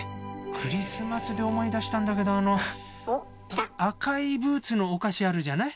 「クリスマス」で思い出したんだけどあの赤いブーツのお菓子あるじゃない？